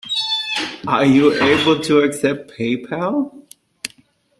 Are you able to accept Paypal?